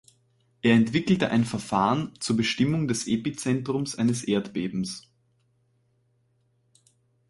Er entwickelte ein Verfahren zur Bestimmung des Epizentrums eines Erdbebens.